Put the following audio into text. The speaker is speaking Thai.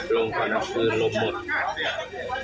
โรงพยาบาลนักษืนลมหมดครับ